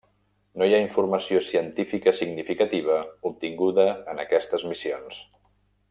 No hi ha informació científica significativa obtinguda en aquestes missions.